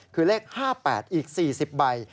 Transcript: คือเลข๕๘อีก๔๐ใบ